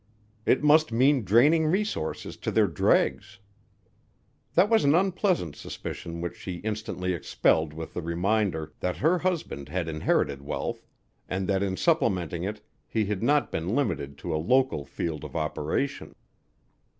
It must mean draining resources to their dregs. That was an unpleasant suspicion which she instantly expelled with the reminder that her husband had inherited wealth and that in supplementing it he had not been limited to a local field of operation.